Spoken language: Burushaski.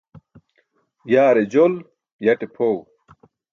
Yaare jol yate phoẏ